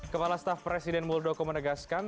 kepala staf presiden muldoko menegaskan